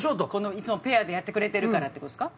いつもペアでやってくれてるからっていう事ですか？